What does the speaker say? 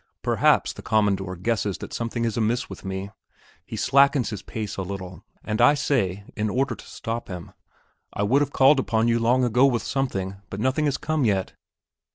Perhaps the "Commandor" guesses that something is amiss with me. He slackens his pace a little, and I say, in order to stop him, "I would have called upon you long ago with something, but nothing has come yet!"